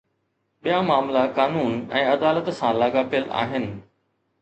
ٻيا معاملا قانون ۽ عدالت سان لاڳاپيل آهن